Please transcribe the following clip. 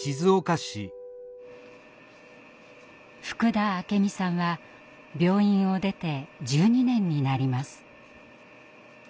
福田明美さんは病院を出て１２年になります。